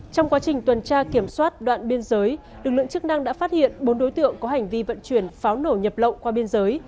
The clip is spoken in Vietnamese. trong quá trình tuần tra kiểm soát đoạn biên giới lực lượng chức năng đã phát hiện bốn đối tượng có hành vi vận chuyển pháo nổ nhập lậu qua biên giới